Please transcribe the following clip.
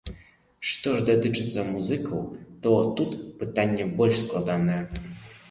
Што ж датычыцца музыкаў, то тут пытанне больш складанае.